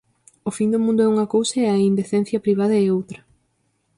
O fin do mundo é unha cousa e a indecencia privada é outra.